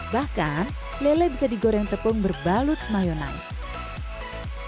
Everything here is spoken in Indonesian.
bahkan lele bisa digoreng tepung berbalut mayonaise